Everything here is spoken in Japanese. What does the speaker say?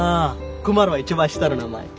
クマラは一番下の名前。